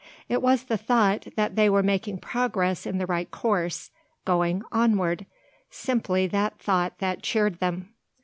It was the thought that they were making progress in the right course, going onward, simply that thought that cheered them.